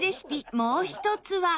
もう１つは。